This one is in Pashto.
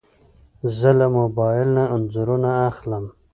زه له موبایل نه انځورونه اخلم.